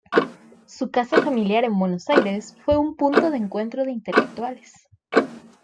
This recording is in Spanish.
Su casa familiar en Buenos Aires fue un punto de encuentro de intelectuales.